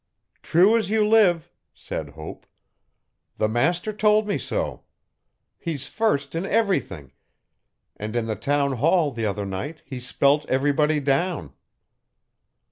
'True as you live,' said Hope. 'The master told me so. He's first in everything, and in the Town Hall the other night he spelt everybody down.'